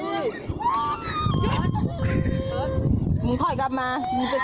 ไปดีมีข้าวหังข้าวหยดหยด